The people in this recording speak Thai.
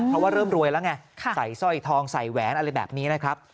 เพราะว่าเริ่มรวยแล้วไงใส่สร้อยทองใส่แหวนอะไรแบบนี้นะครับ